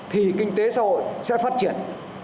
thì kinh tế xã hội sẽ phát triển